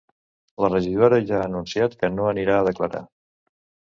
La regidora ja ha anunciat que no anirà a declarar.